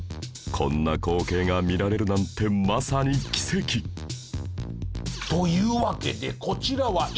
こんな光景が見られるなんてまさに奇跡！というわけでこちらはインドの奇跡！